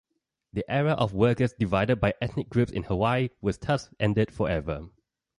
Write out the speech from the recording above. The era of workers divided by ethnic groups in Hawaii was thus ended forever.